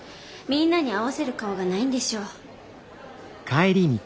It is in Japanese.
みんなに合わせる顔がないんでしょ。